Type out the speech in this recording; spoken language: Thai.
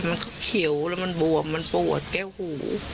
บางทีอารมณ์มันพลนะค่ะ